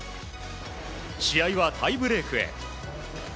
試合はタイブレークへ。